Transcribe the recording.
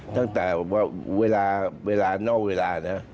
ตั้งแต่เวลานอกเวลานะ